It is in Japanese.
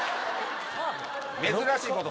珍しいこと？